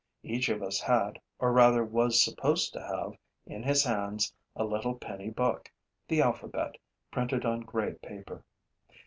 Each of us had, or rather was supposed to have, in his hands a little penny book, the alphabet, printed on gray paper.